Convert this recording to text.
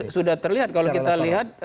sudah terlihat kalau kita lihat